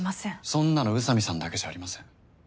そんなの宇佐美さんだけじゃありません。